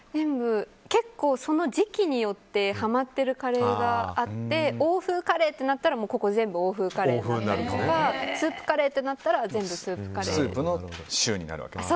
結構その時期によってハマってるカレーがあって欧風カレーとなったらここは全部欧風カレーになったりスープカレーってなったら全部スープカレーとか。